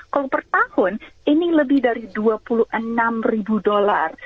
kalau per tahun ini lebih dari dua puluh enam ribu dolar